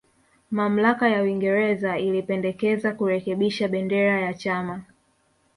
Mamlaka ya Uingereza ilipendekeza kurekebisha bendera ya chama